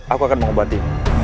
aku akan mengobati